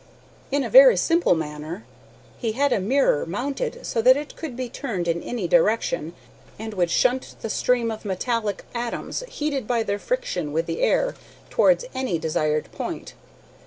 "In a very simple manner. He had a mirror mounted so that it could be turned in any direction, and would shunt the stream of metallic atoms, heated by their friction with the air, towards any desired point.